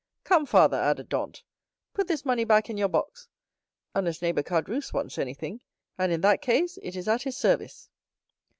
Come, father" added Dantès, "put this money back in your box—unless neighbor Caderousse wants anything, and in that case it is at his service."